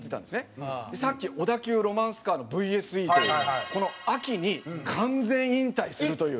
さっき小田急ロマンスカーのＶＳＥというこの秋に完全引退するという。